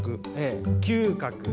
嗅覚。